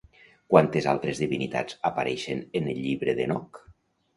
Quantes altres divinitats apareixen en el Llibre d'Henoc?